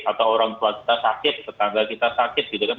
atau orang tua kita sakit tetangga kita sakit gitu kan